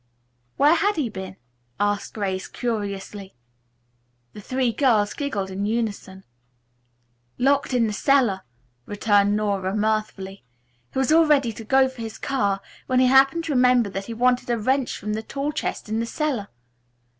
"Where had he been?" asked Grace curiously. The three girls giggled in unison. "Locked in the cellar," returned Nora mirthfully. "He was all ready to go for his car when he happened to remember that he wanted a wrench from the tool chest in the cellar.